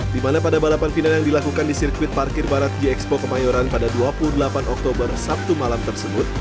di mana pada balapan final yang dilakukan di sirkuit parkir barat gxpo kemayoran pada dua puluh delapan oktober sabtu malam tersebut